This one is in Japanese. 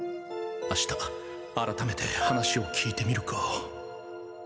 明日あらためて話を聞いてみるか。